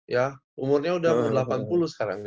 ya umurnya udah umur delapan puluh sekarang dia